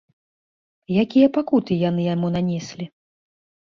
Якія пакуты яны яму нанеслі?